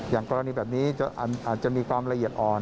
อย่างกรณีแบบนี้อาจจะมีความละเอียดอ่อน